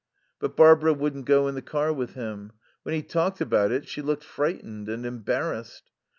But Barbara wouldn't go in the car with him. When he talked about it she looked frightened and embarrassed.